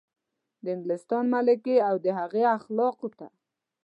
د انګلستان ملکې او د هغې اخلافو ته.